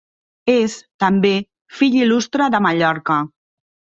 És, també, fill il·lustre de Mallorca.